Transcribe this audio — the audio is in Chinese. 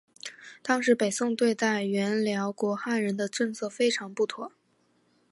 当时北宋对待原辽国汉人的政策非常不妥。